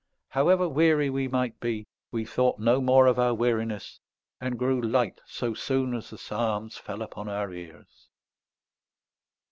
However weary we might be, we thought no more of our weariness, and grew light so soon as the psalms fell upon our ears."